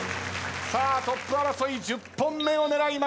さあトップ争い１０本目を狙います。